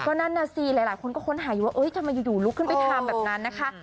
ก็นั่นน่ะสิหลายคนก็ค้นหาอยู่ว่าทำไมอยู่ลุกขึ้นไปทำแบบนั้นนะคะ